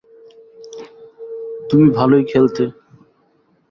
তুমি ভালোই খেলতে।